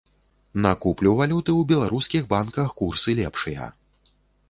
На куплю валюты ў беларускіх банках курсы лепшыя.